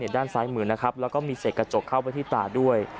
ด้านซ้ายมือนะครับแล้วก็มีเศษกระจกเข้าไปที่ตาด้วย